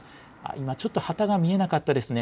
今、ちょっと旗が見えなかったですね。